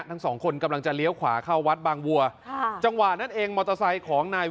ทั้งสองคนกำลังจะเลี้ยวขวาเข้าวัดบางวัวค่ะจังหวะนั้นเองมอเตอร์ไซค์ของนาย